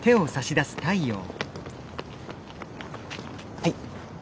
はい。